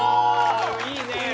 いいねえ。